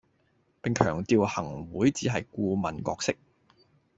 並強調行會只係顧問角色